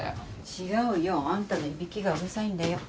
違うよ。あんたのいびきがうるさいんだよ。